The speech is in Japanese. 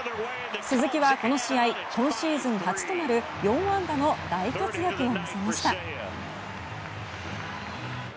鈴木はこの試合今シーズン初となる４安打の大活躍を見せました。